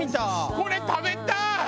これ食べたい！